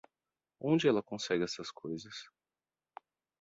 Onde ela consegue essas coisas?